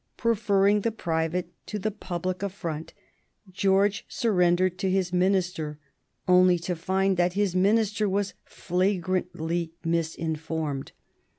Preferring the private to the public affront, George surrendered to his minister, only to find that his minister was flagrantly misinformed.